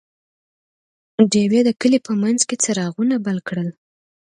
ډیوې د کلي په منځ کې څراغونه بل کړل.